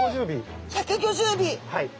はい。